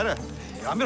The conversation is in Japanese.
やめろ！